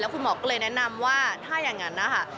คุณหมอก็เลยแนะนำว่าถ้าอย่างนั้นนะคะ